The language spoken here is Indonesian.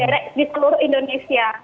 nah di daerah di seluruh indonesia